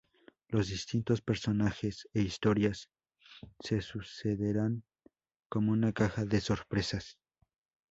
Los distintos personajes e historias se sucederán como una caja de sorpresas.